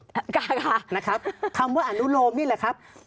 ท่านกาค่ะนะครับคำว่าอนุโลมนี่แหละครับ